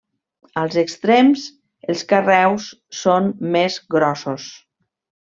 Als extrems els carreus són més grossos.